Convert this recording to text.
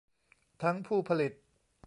ทั้งผู้ผลิต